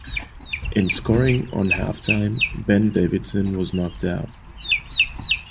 In scoring on halftime Ben Davidson was knocked out.